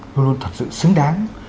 luôn luôn thật sự xứng đáng